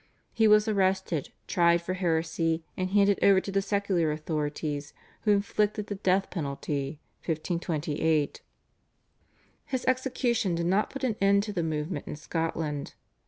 He was arrested, tried for heresy, and handed over to the secular authorities who inflicted the death penalty (1528). His execution did not put an end to the movement in Scotland.